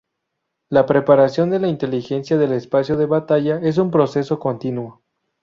La preparación de la inteligencia del espacio de batalla es un proceso continuo.